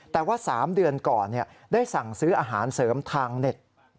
แต่ว่า๓เดือนก่อนได้สั่งซื้ออาหารเสริมทางเน็ต